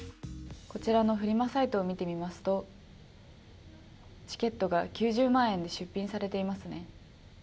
こちらのフリマサイトを見てみますとチケットが９０万円で出品されていますね。